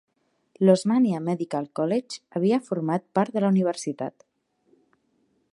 L'Osmania Medical College havia format part de la universitat.